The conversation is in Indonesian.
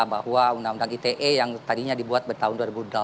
bahwa undang undang ite yang tadinya dibuat tahun dua ribu delapan